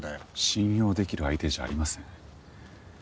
信用できる相手じゃありません。